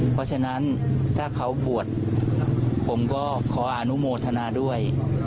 เพราะฉะนั้นถ้าเขาบวชผมก็ขออนุโมทนาด้วย